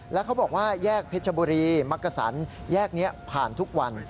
แล้วเขาบอกว่าแยกเพชรบุรีมักกษันแยกนี้ผ่านทุกวัน